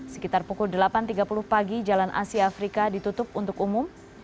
sekitar pukul delapan tiga puluh pagi jalan asia afrika ditutup untuk umum